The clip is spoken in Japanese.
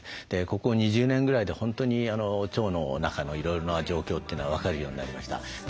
ここ２０年ぐらいで本当に腸の中のいろいろな状況というのは分かるようになりました。